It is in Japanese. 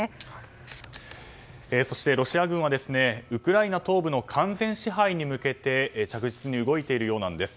そして、ロシア軍はウクライナ東部の完全支配に向けて着実に動いているようなんです。